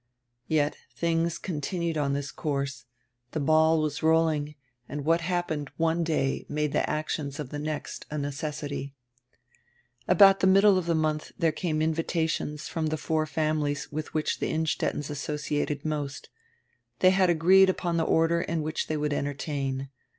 Yet things continued on this course; the hall was rolling, and what happened one day made the actions of the next a necessity. About die middle of the month there came invitations from the four families with which the Innstettens asso ciated most. They had agreed upon the order in which they would entertain.